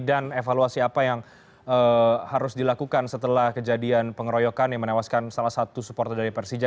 dan evaluasi apa yang harus dilakukan setelah kejadian pengeroyokan yang menewaskan salah satu supporter dari persija